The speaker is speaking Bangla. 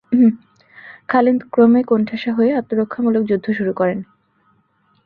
খালিদ ক্রমে কোণঠাসা হয়ে আত্মরক্ষামূলক যুদ্ধ শুরু করেন।